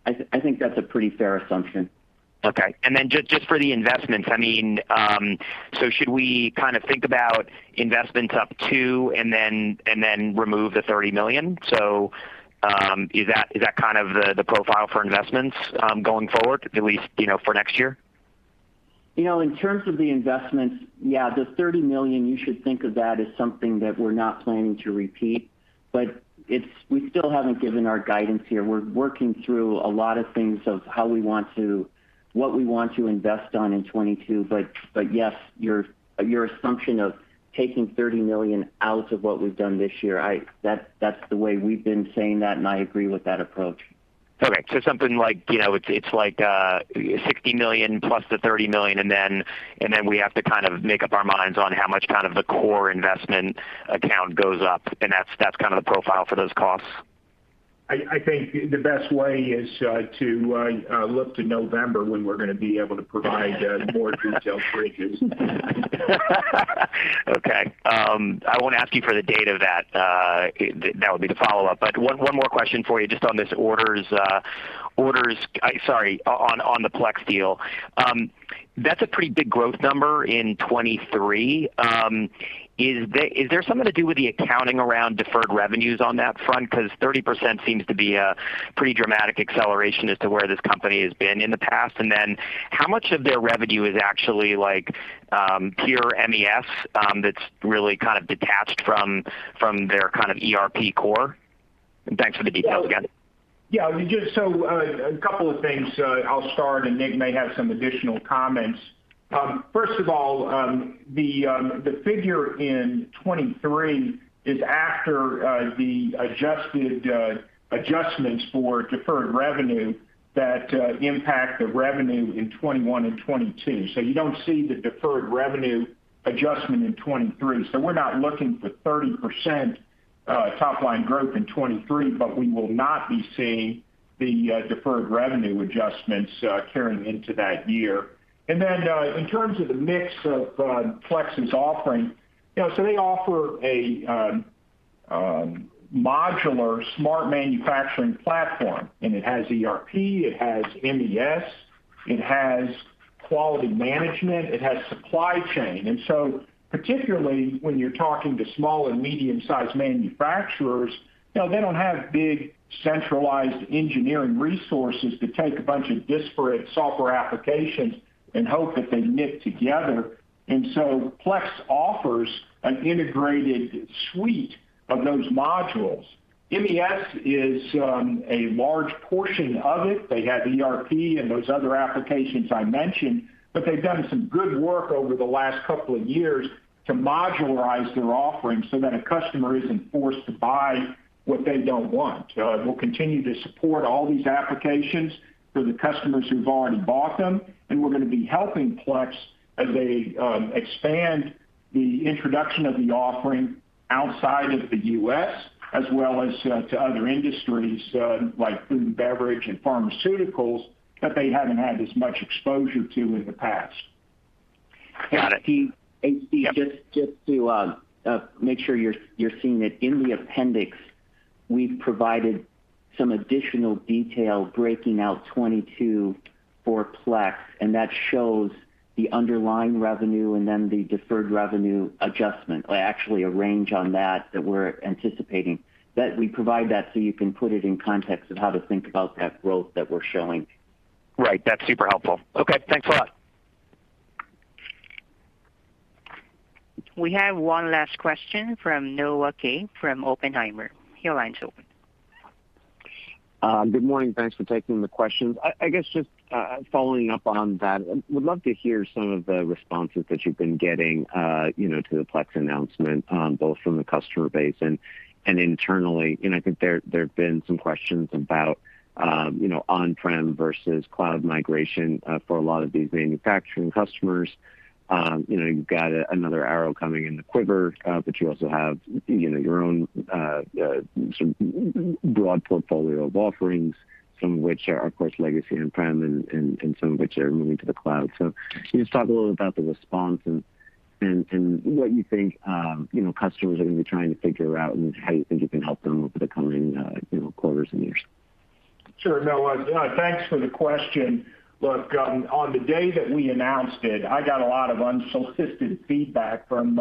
I think that's a pretty fair assumption. Okay. Just for the investments, so should we kind of think about investments up 2 and then remove the $30 million? Is that kind of the profile for investments going forward, at least for next year? In terms of the investments, yeah, the $30 million, you should think of that as something that we're not planning to repeat, but we still haven't given our guidance here. We're working through a lot of things of what we want to invest on in 2022. Yes, your assumption of taking $30 million out of what we've done this year, that's the way we've been saying that, and I agree with that approach. Okay, it's like $60 million plus the $30 million, we have to kind of make up our minds on how much the core investment account goes up, and that's kind of the profile for those costs? I think the best way is to look to November, when we're going to be able to provide more detailed figures. Okay. I won't ask you for the date of that. That would be the follow-up. One more question for you, just on the Plex deal. That's a pretty big growth number in 2023. Is there something to do with the accounting around deferred revenues on that front? 30% seems to be a pretty dramatic acceleration as to where this company has been in the past. How much of their revenue is actually like pure MES, that's really kind of detached from their kind of ERP core? Thanks for the details again. A couple of things. I'll start and Nick may have some additional comments. First of all, the figure in 2023 is after the adjustments for deferred revenue that impact the revenue in 2021 and 2022. You don't see the deferred revenue adjustment in 2023. We're not looking for 30% top line growth in 2023, but we will not be seeing the deferred revenue adjustments carrying into that year. In terms of the mix of Plex's offering, they offer a modular smart manufacturing platform, it has ERP, it has MES, it has quality management, it has supply chain. Particularly when you're talking to small and medium sized manufacturers, they don't have big centralized engineering resources to take a bunch of disparate software applications and hope that they knit together. Plex offers an integrated suite of those modules. MES is a large portion of it. They have ERP and those other applications I mentioned. They've done some good work over the last couple of years to modularize their offering so that a customer isn't forced to buy what they don't want. We'll continue to support all these applications for the customers who've already bought them, and we're going to be helping Plex as they expand the introduction of the offering outside of the U.S., as well as to other industries like food and beverage and pharmaceuticals that they haven't had as much exposure to in the past. Got it. Steve, just to make sure you're seeing it, in the appendix, we've provided some additional detail breaking out 2022 for Plex, and that shows the underlying revenue and then the deferred revenue adjustment. Well, actually a range on that that we're anticipating. We provide that so you can put it in context of how to think about that growth that we're showing. Right. That's super helpful. Okay thanks a lot. We have one last question from Noah Kaye from Oppenheimer. Your line's open. Good morning. Thanks for taking the questions. I guess just following up on that, would love to hear some of the responses that you've been getting to the Plex announcement, both from the customer base and internally. I think there have been some questions about on-prem versus cloud migration for a lot of these manufacturing customers. You also have your own sort of broad portfolio of offerings, some of which are, of course, legacy on-prem, and some of which are moving to the cloud. Can you just talk a little bit about the response and what you think customers are going to be trying to figure out, and how you think you can help them over the coming quarters and years? Sure. No, thanks for the question. Look, on the day that we announced it, I got a lot of unsolicited feedback from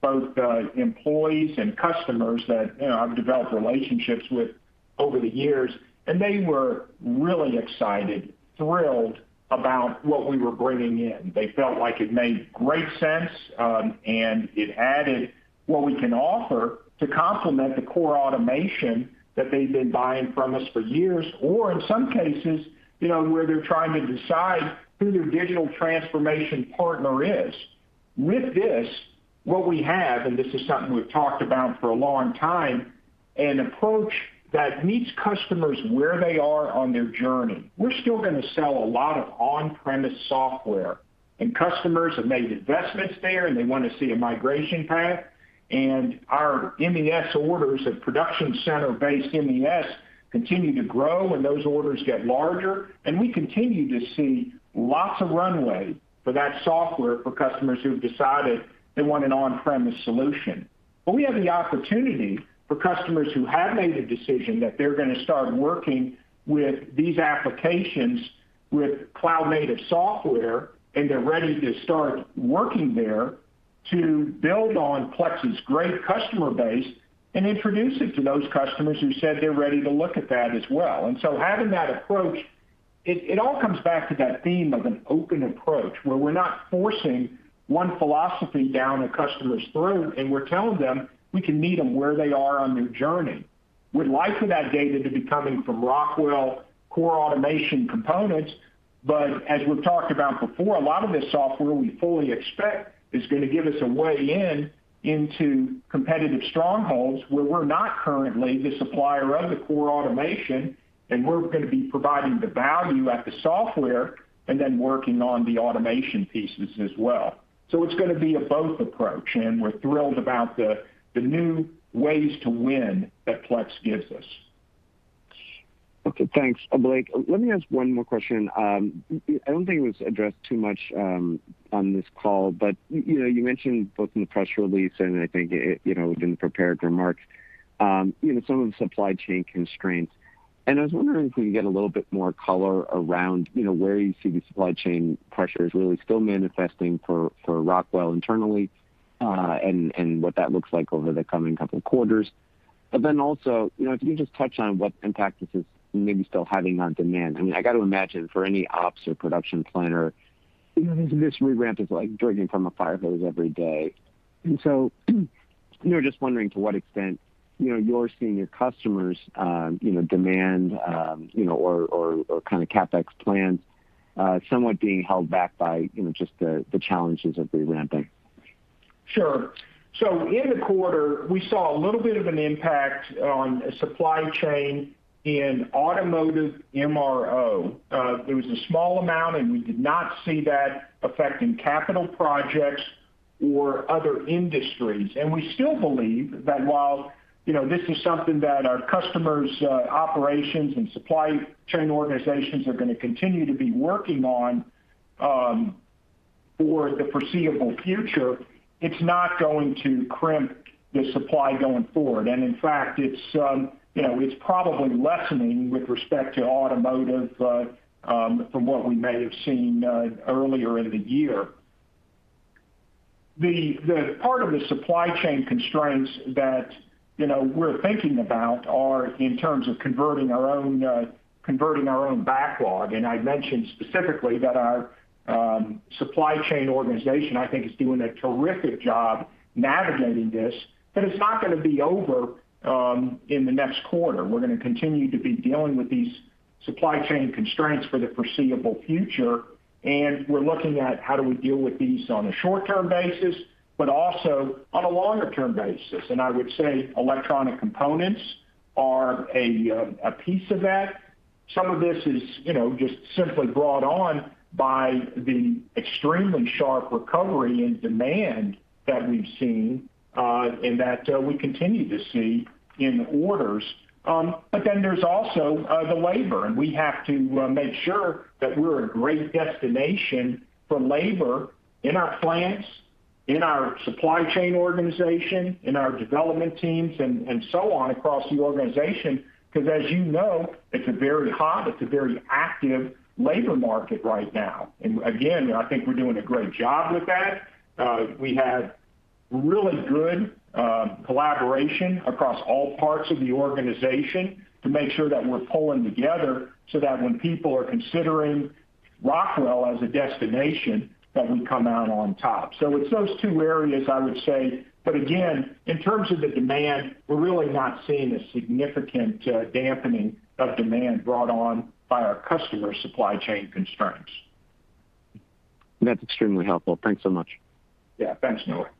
both employees and customers that I've developed relationships with over the years, and they were really excited, thrilled about what we were bringing in. They felt like it made great sense, and it added what we can offer to complement the core automation that they've been buying from us for years or in some cases, where they're trying to decide who their digital transformation partner is. With this, what we have, and this is something we've talked about for a long time, an approach that meets customers where they are on their journey. We're still going to sell a lot of on-premise software, and customers have made investments there, and they want to see a migration path. Our MES orders of ProductionCentre-based MES continue to grow, and those orders get larger. We continue to see lots of runway for that software for customers who've decided they want an on-premise solution. We have the opportunity for customers who have made the decision that they're going to start working with these applications with cloud-native software, and they're ready to start working there to build on Plex's great customer base and introduce it to those customers who said they're ready to look at that as well. Having that approach, it all comes back to that theme of an open approach, where we're not forcing one philosophy down the customers' throat, and we're telling them we can meet them where they are on their journey. We'd like for that data to be coming from Rockwell core automation components, but as we've talked about before, a lot of this software we fully expect is going to give us a way in into competitive strongholds where we're not currently the supplier of the core automation, and we're going to be providing the value at the software and then working on the automation pieces as well. It's going to be a both approach, and we're thrilled about the new ways to win that Plex gives us. Okay. Thanks Blake. Let me ask one more question. I don't think it was addressed too much on this call, but you mentioned both in the press release and I think in prepared remarks some of the supply chain constraints, and I was wondering if we could get a little bit more color around where you see the supply chain pressures really still manifesting for Rockwell internally, and what that looks like over the coming couple of quarters. Also, if you can just touch on what impact this is maybe still having on demand. I mean, I got to imagine for any ops or production planner, this reramp is like drinking from a fire hose every day. Just wondering to what extent you're seeing your customers' demand or kind of CapEx plans somewhat being held back by just the challenges of reramping. Sure. In the quarter, we saw a little bit of an impact on supply chain in automotive MRO. There was a small amount, and we did not see that affecting capital projects or other industries. We still believe that while this is something that our customers' operations and supply chain organizations are going to continue to be working on for the foreseeable future, it's not going to crimp the supply going forward. In fact, it's probably lessening with respect to automotive from what we may have seen earlier in the year. The part of the supply chain constraints that we're thinking about are in terms of converting our own backlog, and I mentioned specifically that our supply chain organization, I think, is doing a terrific job navigating this. It's not going to be over in the next quarter. We're going to continue to be dealing with these supply chain constraints for the foreseeable future. We're looking at how do we deal with these on a short-term basis, but also on a longer-term basis. I would say electronic components are a piece of that. Some of this is just simply brought on by the extremely sharp recovery in demand that we've seen, and that we continue to see in orders. There's also the labor, and we have to make sure that we're a great destination for labor in our plants, in our supply chain organization, in our development teams, and so on across the organization because as you know, it's a very hot, it's a very active labor market right now. Again, I think we're doing a great job with that. We have really good collaboration across all parts of the organization to make sure that we're pulling together so that when people are considering Rockwell as a destination, that we come out on top. It's those two areas, I would say. Again, in terms of the demand, we're really not seeing a significant dampening of demand brought on by our customer supply chain constraints. That's extremely helpful. Thanks so much. Yeah. Thanks Noah.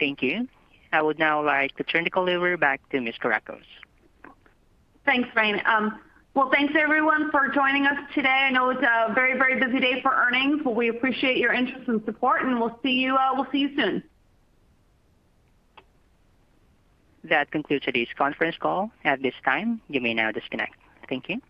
Thank you. I would now like to turn the call over back to Ms. Kourakos. Thanks Rain. Well, thanks everyone for joining us today. I know it's a very busy day for earnings, but we appreciate your interest and support, and we'll see you soon. That concludes today's conference call. At this time, you may now disconnect. Thank you.